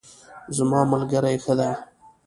زما ملګری ښه ده